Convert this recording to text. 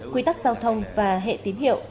quy tắc giao thông và hệ tín hiệu